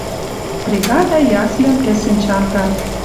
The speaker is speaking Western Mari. Бригада ясльым пӹсӹн чанга.